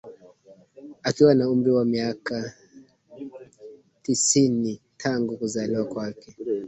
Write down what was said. Akiwa na umri wa miaka tisini tangu kuzaliwa kwake